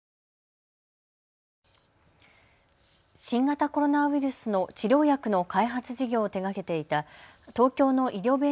新型コロナウイルスの治療薬の開発事業を手がけていた東京の医療